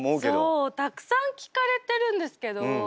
そうたくさん聞かれてるんですけど。